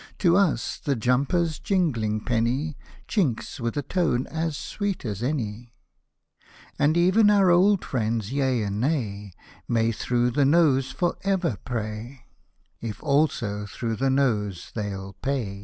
To us the Jumper's jingling penny Chinks with a tone as sweet as any ; And even our old friends Yea and Nay May through the nose for ever pray, If also through the nose they'll pay.